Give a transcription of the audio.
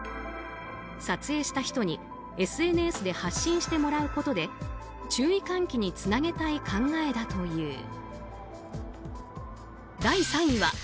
撮影した人にＳＮＳで発信してもらうことで注意喚起につなげたい考えだという。